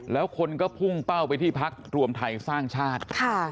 แล้วคนก็พุ่งเป้าไปที่พักรวมไทยสร้างชาติ